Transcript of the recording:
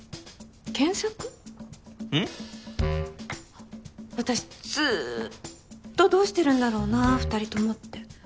あっ私ずっとどうしてるんだろうな２人共って。